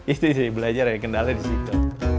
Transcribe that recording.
itu sih belajar dari kendala di situ